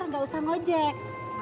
enggak usah ngojek